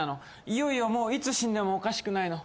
いよいよもういつ死んでもおかしくないの。